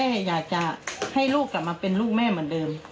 อยากจะให้ลูกกลับมาเป็นลูกแม่เหมือนเดิม